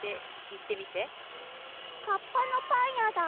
カッパのパンやだ。